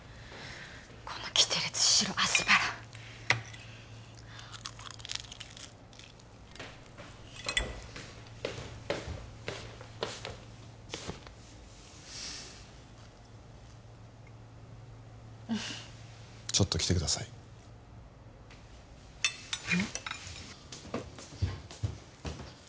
このキテレツ白アスパラちょっと来てくださいうん？